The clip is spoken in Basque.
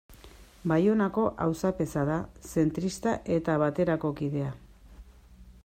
Baionako auzapeza da, zentrista eta Baterako kidea.